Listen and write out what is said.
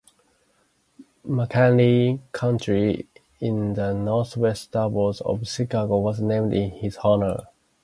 McHenry County in the northwest suburbs of Chicago was named in his honor.